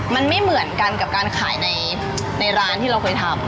มันไม่เหมือนกันกับการขายในร้านที่เราเคยทำ